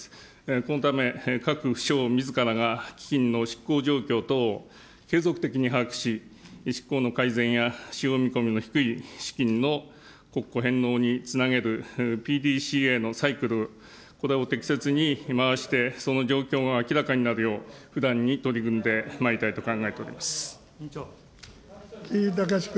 このため、各府省みずからが基金の執行状況等を継続的に把握し、執行の改善や使用見込みの低い資金の国庫返納につなげるＰＤＣＡのサイクル、これを適切に回してその状況が明らかになるよう、不断に取り組ん城井崇君。